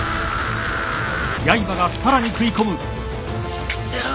チクショー！